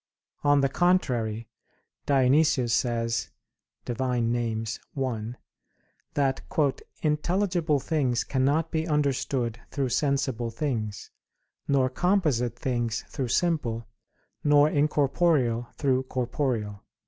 On the contrary, Dionysius says (Div. Nom. i) that "intelligible things cannot be understood through sensible things, nor composite things through simple, nor incorporeal through corporeal."